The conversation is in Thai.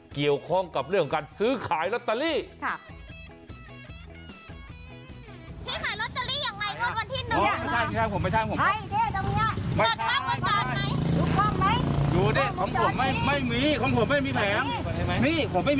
เกี่ยวข้องกับเรื่องการซื้อขายรถตาลี